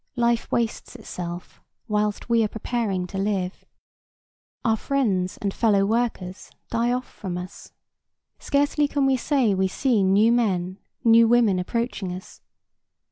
Life wastes itself whilst we are preparing to live. Our friends and fellow workers die off from us. Scarcely can we say we see new men, new women, approaching us.